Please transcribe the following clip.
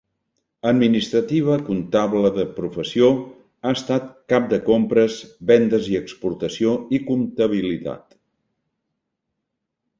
Administrativa comptable de professió, ha estat cap de compres, vendes i exportació i comptabilitat.